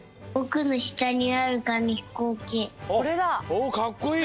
おかっこいい！